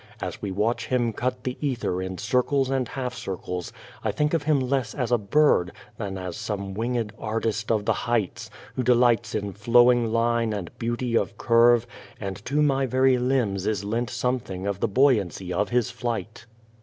As we watch him cut the ether in circles and half circles I think of him less as a bird than as some winged artist of the heights, who delights in flowing line and beauty of curve, and to my very limbs is lent something of the buoyancy of his flight.